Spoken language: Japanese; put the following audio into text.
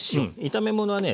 炒め物はね